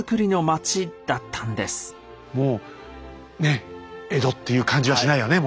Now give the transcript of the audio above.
もうねっ江戸っていう感じはしないよね。